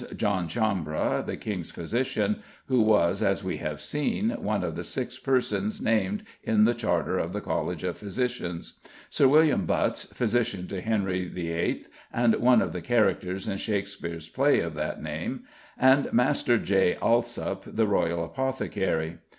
John Chambre, the king's physician, who was, as we have seen, one of the six persons named in the charter of the College of Physicians; Sir William Butts, physician to Henry VIII., and one of the characters in Shakspeare's play of that name; and Master J. Alsop, the Royal apothecary.